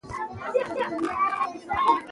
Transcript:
نمک د افغانستان د ولایاتو په کچه توپیر لري.